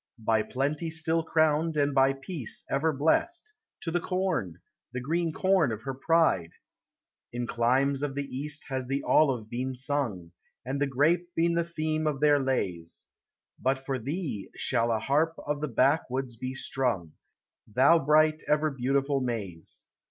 By plenty still crowned, and by peace ever blest, To the corn! the greeo corn of her pride! In clinics of the East has the olive been sung, And the grape been the theme of their lays; lint for thee shall a harp of the backwoods be strung, Thou bright, ever beautiful maize!